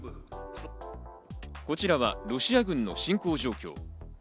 こちらはロシア軍の侵攻状況。